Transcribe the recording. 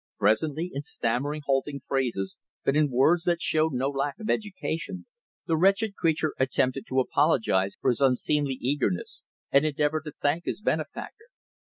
Presently, in stammering, halting phrases, but in words that showed no lack of education, the wretched creature attempted to apologize for his unseemly eagerness, and endeavored to thank his benefactor.